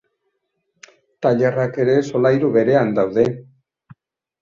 Tailerrak ere solairu berean daude.